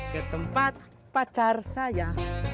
ke tempat pacar saya